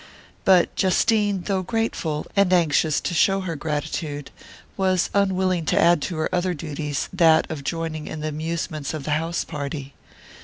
But Justine, though grateful, and anxious to show her gratitude, was unwilling to add to her other duties that of joining in the amusements of the house party.